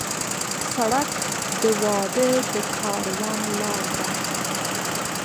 سړک د واده د کاروان لار ده.